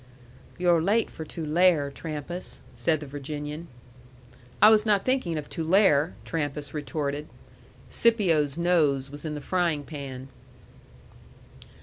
"You're late for Tulare, Trampas," said the Virginian. "I was not thinking of Tulare," Trampas retorted. Scipio's nose was in the frying pan.